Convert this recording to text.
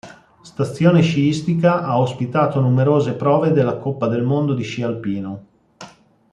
Stazione sciistica, ha ospitato numerose prove della Coppa del Mondo di sci alpino.